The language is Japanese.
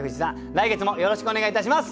来月もよろしくお願いいたします！